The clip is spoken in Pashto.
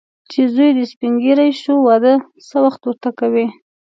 چې زوی دې سپین ږیری شو، واده څه وخت ورته کوې.